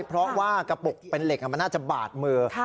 เพราะว่ากระปุกเป็นเหล็กมันน่าจะบาดมือ